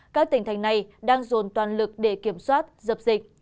các tỉnh thành này đang dồn toàn lực để kiểm soát dập dịch